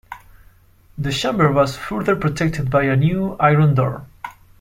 The chamber was further protected by a new iron door.